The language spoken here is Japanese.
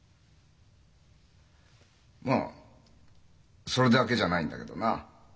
まあそれだけじゃないんだけどな。